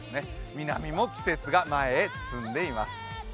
南も季節が前へ進んでいます。